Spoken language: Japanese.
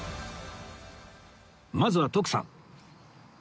まずは徳さん